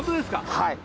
はい！